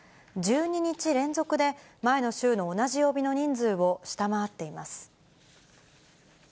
１２日連続で、前の週の同じ曜日の人数を下回っています。